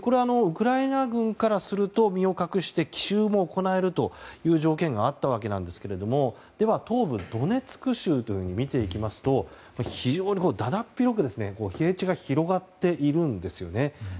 これ、ウクライナ軍からすると身を隠して奇襲も行えるという条件があったわけですがでは東部ドネツク州を見ていきますと非常にだだっ広く平地が広がっているんですね。